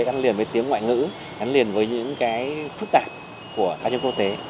gắn liền với tiếng ngoại ngữ gắn liền với những phức tạp của các nhân quốc tế